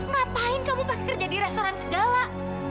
ngapain kamu pas kerja di restoran segala